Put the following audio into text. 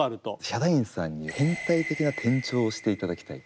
ヒャダインさんに変態的な転調をしていただきたい。